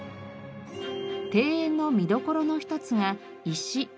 庭園の見どころの１つが「石」。